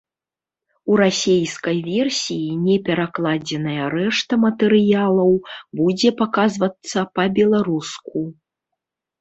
У расейскай версіі неперакладзеная рэшта матэрыялаў будзе паказвацца па-беларуску.